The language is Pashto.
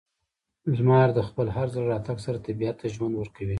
•لمر د خپل هر ځل راتګ سره طبیعت ته ژوند ورکوي.